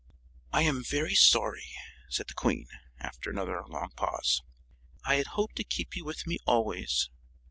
"I am very sorry," said the Queen, after another long pause; "I had hoped to keep you with me always.